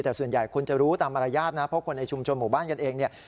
แต่ส่วนใหญ่คนจะรู้ตามมารยาทนะเพราะคนในชุมชนหมู่บ้านกันเองเนี่ย